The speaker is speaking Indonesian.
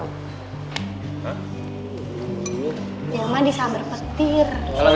ya emang disambar petir